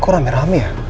kok rame rame ya